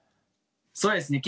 そうですね。